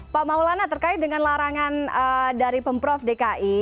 pak maulana terkait dengan larangan dari pemprov dki